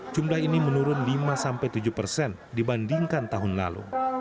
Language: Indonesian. jumlah ini menurun lima tujuh persen dibandingkan tahun lalu